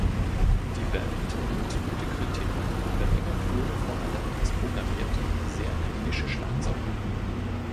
Die Band erhielt gute Kritiken, bemängelt wurde vor allem das programmierte, sehr klinische Schlagzeug.